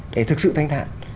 để thực sự thanh thản